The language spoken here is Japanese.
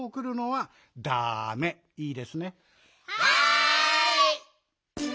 はい！